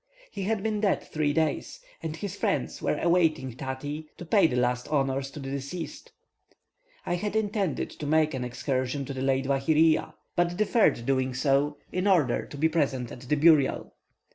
He had been dead three days, and his friends were awaiting Tati to pay the last honours to the deceased. I had intended to make an excursion to the Lake Vaihiria, but deferred doing so, in order to be present at the burial.